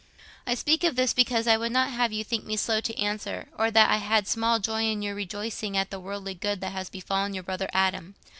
I speak of this, because I would not have you think me slow to answer, or that I had small joy in your rejoicing at the worldly good that has befallen your brother Adam.